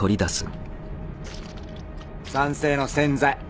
酸性の洗剤。